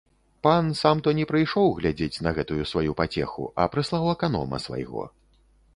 Пан сам то не прыйшоў глядзець на гэтую сваю пацеху, а прыслаў аконама свайго.